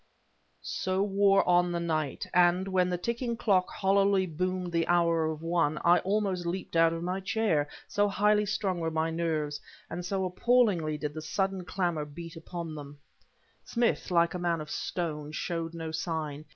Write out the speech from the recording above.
So wore on the night; and, when the ticking clock hollowly boomed the hour of one, I almost leaped out of my chair, so highly strung were my nerves, and so appallingly did the sudden clangor beat upon them. Smith, like a man of stone, showed no sign.